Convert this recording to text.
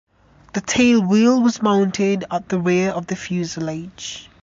The tailwheel was mounted at the rear of the fuselage.